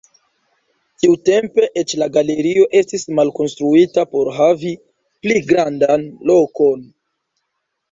Tiutempe eĉ la galerio estis malkonstruita por havi pli grandan lokon.